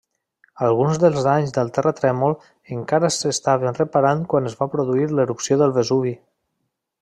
Alguns dels danys del terratrèmol encara s'estaven reparant quan es va produir l'erupció del Vesuvi.